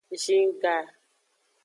Zin ga.